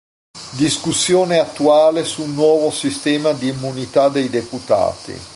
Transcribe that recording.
Discussione attuale su un nuovo sistema di immunità dei deputati.